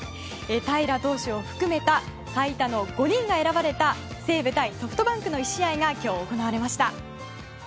平良投手を含めた最多の５人が選ばれた西武対ソフトバンクの１試合が今日、行われました。